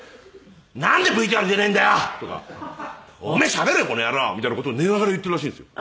「なんでＶＴＲ出ねえんだよ！」とか「お前しゃべれよこの野郎」みたいな事を寝ながら言っているらしいんですよ。